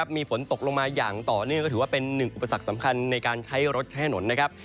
มีฝนตกลงมาอย่างต่อเนื่องก็ถือว่าเป็นหนึ่งอุปสรรคสำคัญในการใช้รถใช้ถนนนะครับ